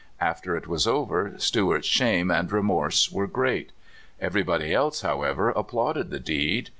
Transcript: After it was over, Stew art's shame and remorse were great. Everybody else, however, applauded the deed.